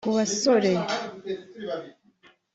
Ku basore